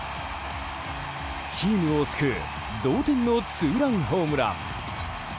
チームを救う同点のツーランホームラン。